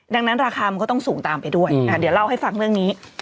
ดังนั้นราคามันก็ต้องสูงตามไปด้วยเดี๋ยวเล่าให้ฟังเรื่องนี้